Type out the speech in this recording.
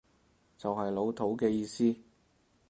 就係老土嘅意思